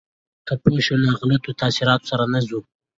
که پوه شو، نو له غلطو تاثیراتو سره نه ځو.